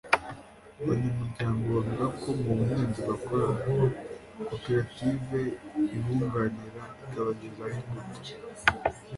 Abanyamuryango bavuga ko mu buhinzi bakora koperative ibunganira ikabagezaho imbuto